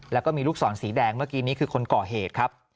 แล้วก็มีลูกศรสีแดงเมื่อกี้นี้คือคนก่อเหตุครับ